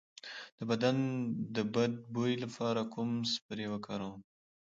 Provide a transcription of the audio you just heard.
د بدن د بد بوی لپاره کوم سپری وکاروم؟